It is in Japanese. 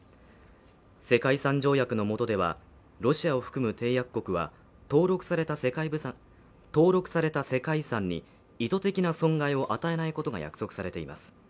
世界遺産条約のもとではロシアを含む締約国は登録された世界遺産に意図的な損害を与えないことが約束されています。